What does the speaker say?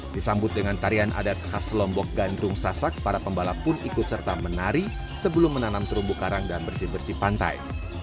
disambut dengan tarian adat khas lombok gandrung sasak para pembalap pun ikut serta menari sebelum menanam terumbu karang dan bersih bersih pantai